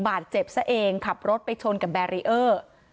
บาดเจ็บซะเองขับรถไปชนกับแบรีเออร์